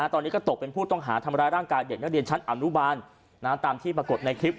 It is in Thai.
ตอนนี้ก็ตกเป็นผู้ต้องหาทำร้ายร่างกายเด็กนักเรียนชั้นอนุบาลตามที่ปรากฏในคลิป